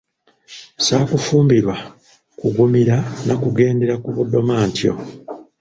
Saakufumbirwa kugumira na kugendera ku budoma ntyo.